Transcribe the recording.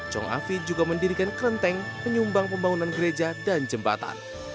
chong afi juga mendirikan kelenteng penyumbang pembangunan gereja dan jembatan